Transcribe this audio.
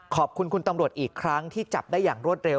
ขอบคุณคุณตำรวจอีกครั้งที่จับได้อย่างรวดเร็